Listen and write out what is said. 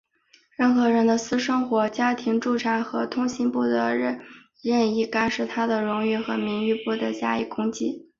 任何人的私生活、家庭、住宅和通信不得任意干涉,他的荣誉和名誉不得加以攻击。